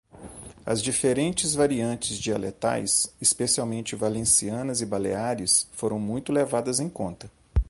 As diferentes variantes dialetais, especialmente valencianas e baleares, foram muito levadas em conta.